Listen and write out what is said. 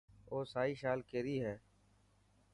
او سائي شال ڪيري هي.